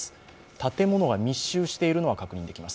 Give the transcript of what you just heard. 建物が密集しているのが確認できます。